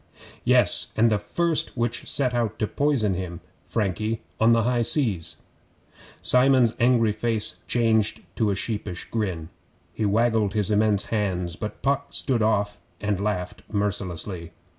'Yes, and the first which set out to poison him Frankie on the high seas ' Simon's angry face changed to a sheepish grin. He waggled his immense hands, but Puck stood off and laughed mercilessly.